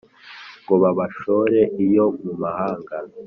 ngo babashore iyo mu mahanga,